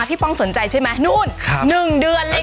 ป้องสนใจใช่ไหมนู่น๑เดือนเลยค่ะ